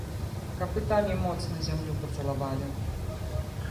Капытамі моцна зямлю пацалавалі.